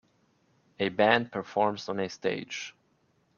A band performs on a stage.